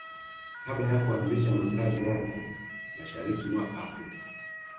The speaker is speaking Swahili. Kabla ya kuanzisha makazi yako Mashariki mwa Afrika